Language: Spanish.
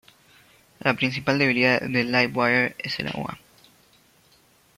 La principal debilidad de Livewire es el agua.